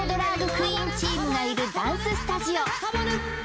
クイーンチームがいるダンススタジオ